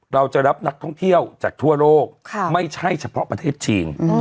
เราจะรับนักท่องเที่ยวจากทั่วโลกไม่ใช่เฉพาะประเทศจีน